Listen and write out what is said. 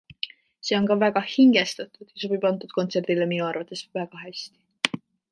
See on ka väga hingestatud ja sobib antud kontserdile minu arvates väga hästi.